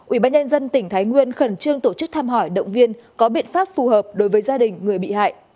ubnd tỉnh thái nguyên khẩn trương tổ chức tham hỏi động viên có biện pháp phù hợp đối với gia đình người bị hại